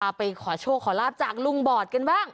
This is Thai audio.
ไปขอโชคขอลาบจากลุงบอดกันบ้าง